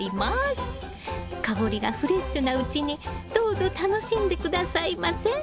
香りがフレッシュなうちにどうぞ楽しんで下さいませ。